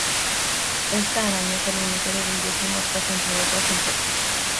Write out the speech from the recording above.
Esta araña se alimenta de grillos y moscas, entre otros insectos.